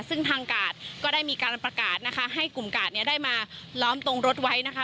ซึ่งทางกาดก็ได้มีการประกาศนะคะให้กลุ่มกาดเนี่ยได้มาล้อมตรงรถไว้นะคะ